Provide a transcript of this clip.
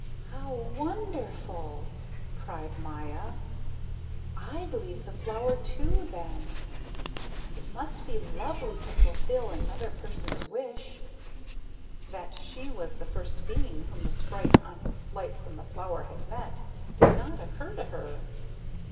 "How wonderful!" cried Maya. "I'd leave the flower too, then. It must be lovely to fulfill another person's wish." That she was the first being whom the sprite on his flight from the flower had met, did not occur to her.